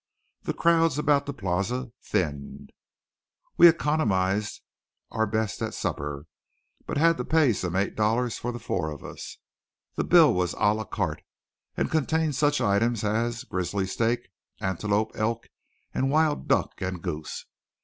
The crowds about the Plaza thinned. We economized our best at supper, but had to pay some eight dollars for the four of us. The bill was a la carte and contained such items as grizzly steak, antelope, elk, and wild duck and goose.